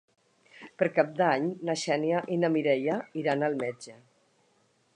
Per Cap d'Any na Xènia i na Mireia iran al metge.